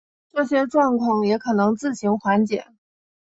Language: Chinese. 这些状况也可能自行缓解。